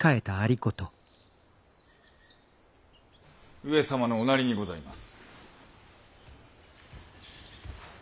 上様のおなりにございます。